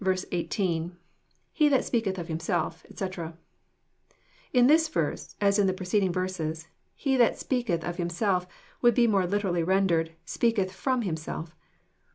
18. — IHe that speaketh of himself, etc,'] In this verse, as in the preceding verses, " He that speaketh of himself" would be more literally rendered " speaketh frojju himself."